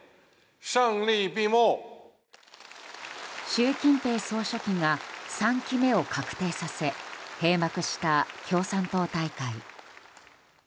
習近平総書記が３期目を確定させ、閉幕した共産党大会。